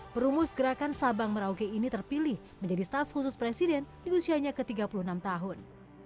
perumus gerakan sabang merauke ini terpilih menjadi staff khusus presiden di usianya ke tiga puluh enam tahun